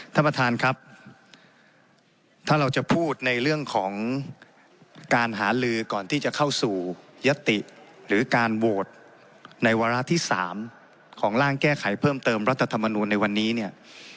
ท่านประธานครับถ้าเราจะพูดในเรื่องของการหาลือก่อนที่จะเข้าสู่ยติหรือการโหวตในวาระที่๓ของร่างแก้ไขเพิ่มเติมรัฐธรรมนูลในวันนี้เนี่ย